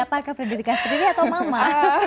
apakah pendidikan sendiri atau mama